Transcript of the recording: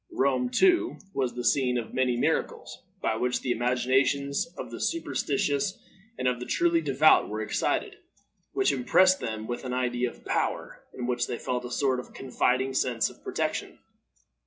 Rome, too, was the scene of many miracles, by which the imaginations of the superstitious and of the truly devout were excited, which impressed them with an idea of power in which they felt a sort of confiding sense of protection.